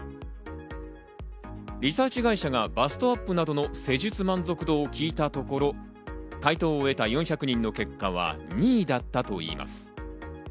リサーチ会社がバストアップなどの施術満足度を聞いたところ、回答を得た４００人の結果は２位だったといいます。